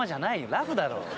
ラフだろ。